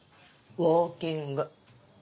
ウオーキング？